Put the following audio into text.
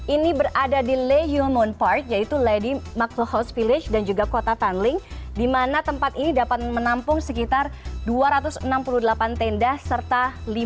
ini berada di le hul moon park yaitu lady markle house village dan juga kota tan ling di mana tempat ini dapat menampung sekitar dua ratus enam puluh delapan tenda serta lima puluh dua bunga laut